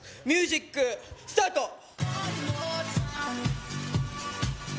ミュージックスタート